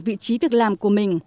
vị trí việc làm của mình